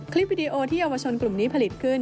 คลิปวิดีโอที่เยาวชนกลุ่มนี้ผลิตขึ้น